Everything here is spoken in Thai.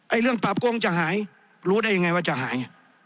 เรื่องปราบโกงจะหายรู้ได้ยังไงว่าจะหาย